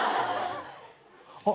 あっ。